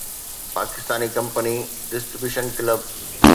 Pakistani company 'distribution club'